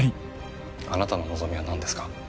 あなたの望みはなんですか？